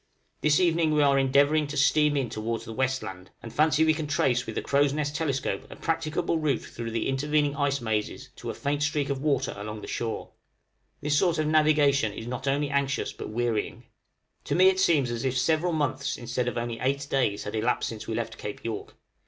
} This evening we are endeavoring to steam in towards the West land, and fancy we can trace with the crow's nest telescope a practicable route through the intervening ice mazes to a faint streak of water along the shore. This sort of navigation is not only anxious, but wearying. To me it seems as if several months instead of only eight days had elapsed since we left Cape York.